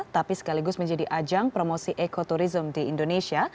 tapi sekaligus menjadi ajang promosi ekoturism di indonesia